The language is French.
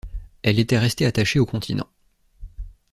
Elle était restée attachée au continent.